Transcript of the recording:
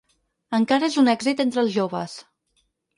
Encara és un èxit entre els joves.